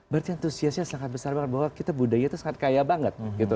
berarti antusiasnya sangat besar banget bahwa kita budaya itu sangat kaya banget gitu